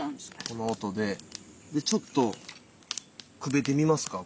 でちょっとくべてみますか？